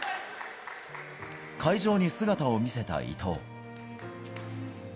会場に姿を見せた伊藤。